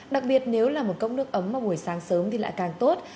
đặc biệt nếu là một cốc nước ấm mà buổi sáng sớm thì lại càng tốt